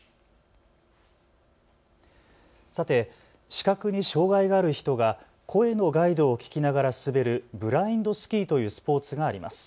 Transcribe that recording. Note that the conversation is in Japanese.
さて、視覚に障害がある人が声のガイドを聞きながら滑るブラインドスキーというスポーツがあります。